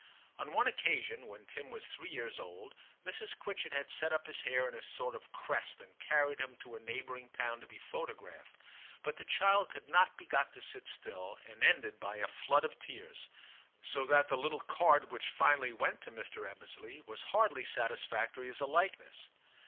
On one occasion, when Tim was three years old, Mrs. Quitchett had set up his hair in a sort of crest and carried him to a neighbouring town to be photographed, but the child could not be got to sit still, and ended by a flood of tears, so that the little card which finally went to Mr. 12 TIM CHAP. Ebbesley was hardly satisfactory as a likeness.